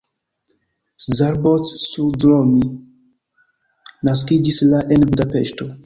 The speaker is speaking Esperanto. Szabolcs Szuromi naskiĝis la en Budapeŝto.